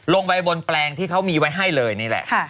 ลงไปบนแปลงที่เขามีไว้ให้เลยนี่แหละ